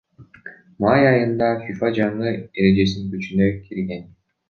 Май айында ФИФАнын жаңы эрежеси күчүнө кирген.